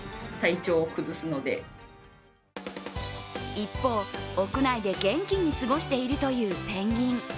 一方、屋内で元気に過ごしているというペンギン。